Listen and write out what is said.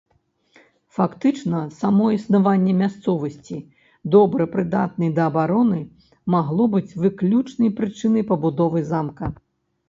Фактычна, само існаванне мясцовасці, добра прыдатнай да абароны, магло быць выключнай прычынай пабудовы замка.